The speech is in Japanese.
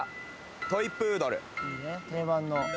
トイプードル。